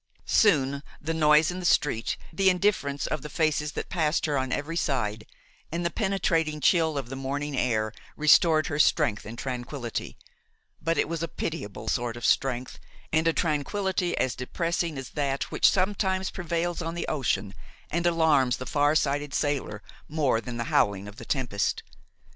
Soon the noise in the street, the indifference of the faces that passed her on every side and the penetrating chill of the morning air restored her strength and tranquillity, but it was a pitiable sort of strength and a tranquillity as depressing as that which sometimes prevails on the ocean and alarms the far sighted sailor more than the howling of the tempest.